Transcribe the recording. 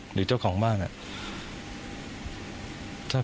ก็ไม่ได้คิดอะไรมาก